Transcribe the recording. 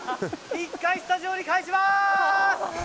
１回、スタジオに返します！